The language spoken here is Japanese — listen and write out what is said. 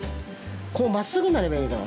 こうまっすぐになればいいから。